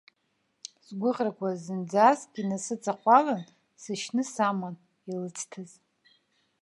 Сгәыӷрақәа зынӡаск инасыҵаҟәалан, сышьны саман, илыцҭаз.